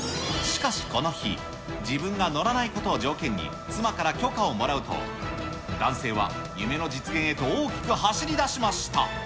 しかしこの日、自分が乗らないことを条件に、妻から許可をもらうと、男性は夢の実現へと大きく走りだしました。